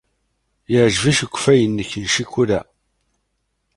Yeɛjeb-ik ukeffay-nnek n ccikula?